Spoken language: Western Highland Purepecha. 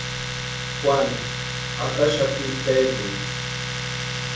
Juanu ataxati Pedruni.